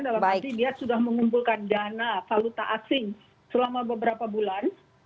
dalam arti dia sudah mengumpulkan dana valuta asing selama beberapa bulan